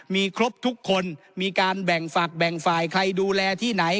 มีครบทุกคนมีการแบ่งฝากแบ่งฝ่ายใครดูแลที่ไหน